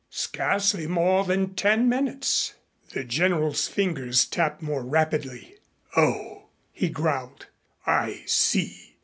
"Scarcely more than ten minutes." The General's fingers tapped more rapidly. "Oh," he growled, "I see."